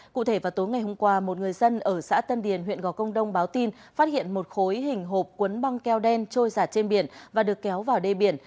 cụ thể vào tối ngày hôm qua một người dân ở xã tân điền huyện gò công đông báo tin phát hiện một khối hình hộp cuốn băng keo đen trôi giặt trên biển và được kéo vào đê biển